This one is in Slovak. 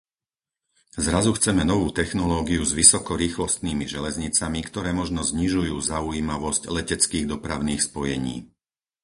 Zrazu chceme novú technológiu s vysokorýchlostnými železnicami, ktoré možno znižujú zaujímavosť leteckých dopravných spojení.